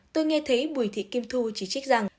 tôi nghe thấy bùi thị kim thu chỉ trích rằng